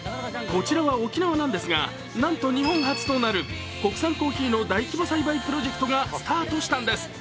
こちらは沖縄なんですが、なんと日本初となる国産コーヒーの大規模栽培プロジェクトがスタートしたんです。